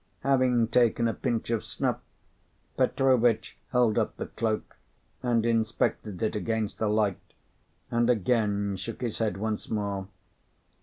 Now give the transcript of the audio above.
Having taken a pinch of snuff, Petrovitch held up the cloak, and inspected it against the light, and again shook his head once more.